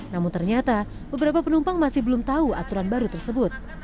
namun ternyata beberapa penumpang masih belum tahu aturan baru tersebut